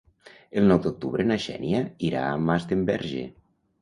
El nou d'octubre na Xènia irà a Masdenverge.